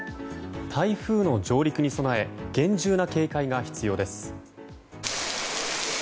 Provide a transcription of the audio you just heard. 台風の上陸に備え厳重な警戒が必要です。